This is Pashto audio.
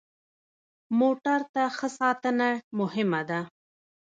موټر ته ښه ساتنه مهمه ده.